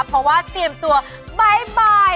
เพราะว่าเตรียมตัวบ๊ายบาย